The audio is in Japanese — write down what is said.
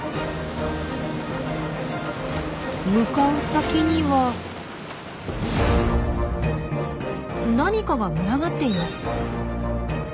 向かう先には何かが群がっています。